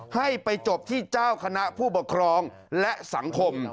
ให้ไปจบที่เจ้าคณะผู้ปกครองและสังคม